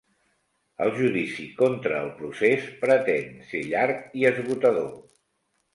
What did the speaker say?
El judici contra el procés pretén ser llarg i esgotador.